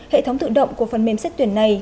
hệ thống tự động của phần mềm xét tuyển này